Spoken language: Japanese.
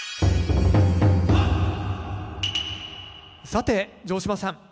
さて城島さん